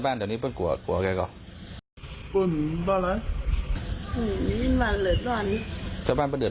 มันก็เหมือนอาจจะหลัดร้อน